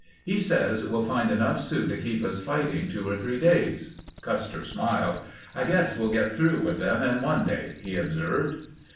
"He says we'll find enough Sioux to keep us fighting two or three days." Custer smiled. "I guess we'll get through with them in one day," he observed.